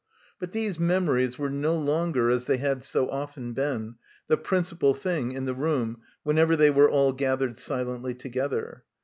But these memories were no longer as they had so often been, the principal thing in the room whenever they were all gathered silently together.